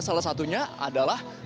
salah satunya adalah